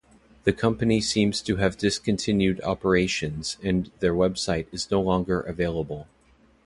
The company seems to have discontinued operations and their website is no longer available.